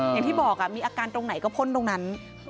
อย่างที่บอกมีอาการตรงไหนก็พ่นตรงนั้น